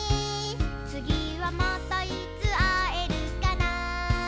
「つぎはまたいつあえるかな」